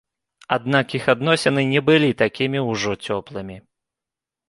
Аднак іх адносіны не былі такімі ўжо цёплымі.